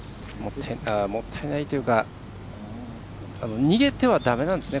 もったいないというか逃げてはだめなんですね。